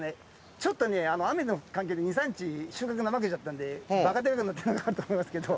ちょっと雨の関係で２３日収穫怠けちゃったんでバカでかくなってんのかなと思いますけど。